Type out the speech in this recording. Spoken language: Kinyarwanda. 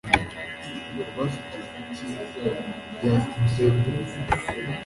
Yakobo afite ijwi ryiza rya treble